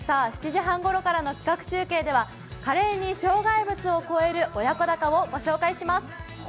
７時半ごろからの企画中継では華麗に障害物をこえる親子鷹をご紹介します。